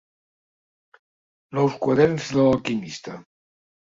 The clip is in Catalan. Nous Quaderns de l'Alquimista.